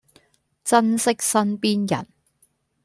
珍惜身邊人